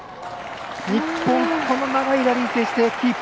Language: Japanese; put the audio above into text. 日本、この長いラリー制してキープ。